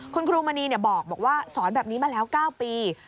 คุณครูมณีบอกว่าสอนแบบนี้มาแล้ว๙ปี